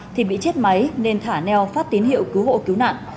thì bị chết máy nên thả neo phát tín hiệu cứu hộ cứu nạn